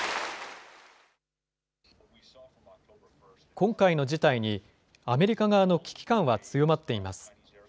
今回の事態に、アメリカ側の危機感は強まっています。